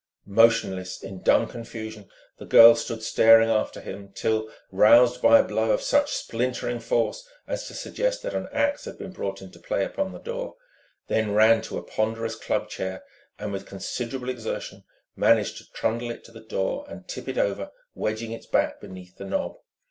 Motionless, in dumb confusion, the girl stood staring after him till roused by a blow of such splintering force as to suggest that an axe had been brought into play upon the door, then ran to a ponderous club chair and with considerable exertion managed to trundle it to the door and tip it over, wedging its back beneath the knob.